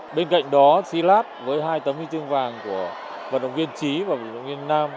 tại đó pencastilat với hai tấm huy chương vàng của vận động viên trí và vận động viên nam